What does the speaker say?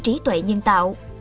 trí tuệ nhân tạo